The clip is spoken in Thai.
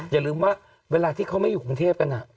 อย่าลืมว่าเวลาที่เขาไม่อยู่กรุงเทพกัน